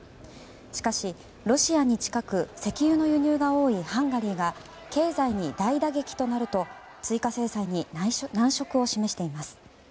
しかし、ロシアに近く石油の輸入が多いハンガリーが経済に大打撃となると追加制裁に難色を示しています。